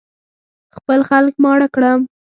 خپل خلک ماړه کړم.